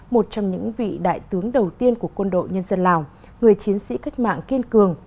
một trong những vị đại tướng đầu tiên của quân đội nhân dân lào người chiến sĩ cách mạng kiên cường